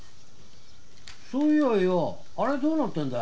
そういやよあれどうなってんだよ。